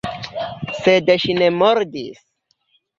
Sed ŝi ne mordis.